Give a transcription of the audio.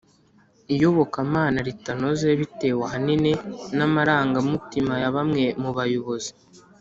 iyobokamana ritanoze bitewe ahanini n amarangamutima ya bamwe mu bayobozi